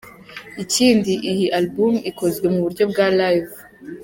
Ikindi iyi album ikozwe mu buryo bwa live”.